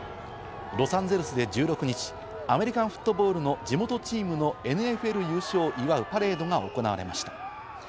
ロサンゼルスで１６日、アメリカンフットボールの地元チームのＮＦＬ優勝を祝うパレードが行われました。